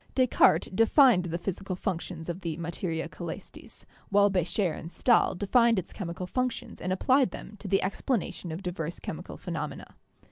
Descartes defined the physical functions of the 'Materia Caelestis,' while Becher and Stahl defined its chemical functions and applied them to the explanation of diverse chemical phenomena.